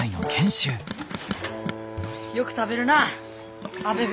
よく食べるなあ。